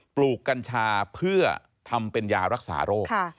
ลูกกัญชาเพื่อทำเป็นยารักษาโรค